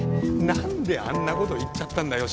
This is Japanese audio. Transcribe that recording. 何であんなこと言っちゃったんだよ